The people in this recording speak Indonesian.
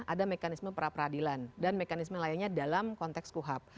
ada mekanisme peradilan dan mekanisme lainnya dalam konteks kuhap